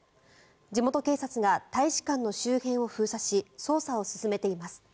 地元警察が大使館の周辺を封鎖し捜査を進めています。